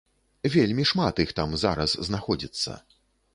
Вельмі шмат іх там зараз знаходзіцца.